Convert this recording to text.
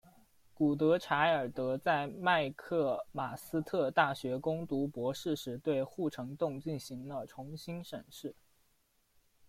古德柴尔德在麦克马斯特大学攻读博士时对护城洞进行了重新审视。